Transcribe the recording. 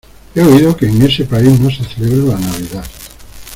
He oído que en ese país no se celebra la Navidad.